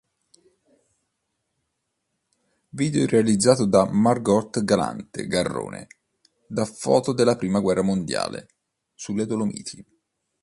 Video realizzato da Margot Galante Garrone da foto della Prima guerra mondiale sulle Dolomiti.